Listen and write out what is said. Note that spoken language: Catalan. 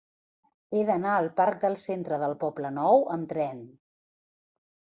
He d'anar al parc del Centre del Poblenou amb tren.